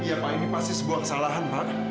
iya pak ini pasti sebuah kesalahan pak